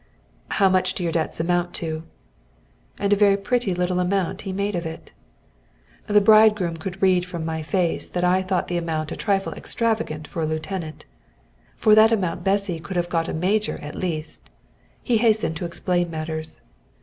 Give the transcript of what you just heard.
"How much do your debts amount to?" And a very pretty little amount he made of it. The bridegroom could read from my face that I thought the amount a trifle extravagant for a lieutenant; for that amount Bessy could have got a major at least. He hastened to explain matters.